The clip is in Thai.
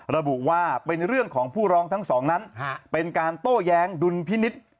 ระบุว่าเป็นเรื่องของผู้ร้องทั้งสองนั้นเป็นการโต้แย้งดุลพินิษฐ์